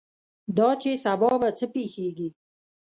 دا چې سبا به څه پېښېږي.